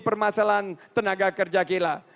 permasalahan tenaga kerja kita